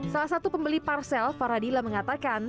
salah satu pembeli parsel faradila mengatakan